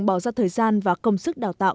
bỏ ra thời gian và công sức đào tạo